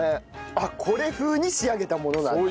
あっこれ風に仕上げたものなんだ。